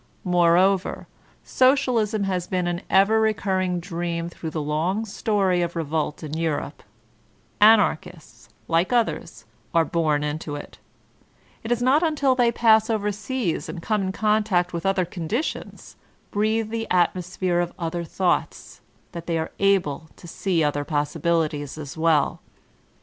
Moreover, Socialism has been an ever recurring dream through the long story of revolt in Europe; Anarchists, like others, are bom into it It is not until they pass over seas, and come in con tact with other conditions, breathe the atmosphere of other thoughts, that they are able to see other possibili ties as well.